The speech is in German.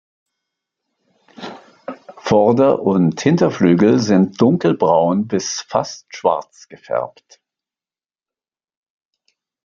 Vorder- und Hinterflügel sind dunkelbraun bis fast schwarz gefärbt.